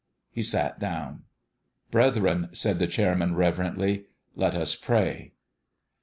He sat down. " Brethren," said the chairman, reverently, " let us pray